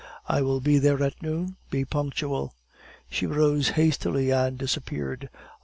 "I will be there at noon. Be punctual." She rose hastily, and disappeared.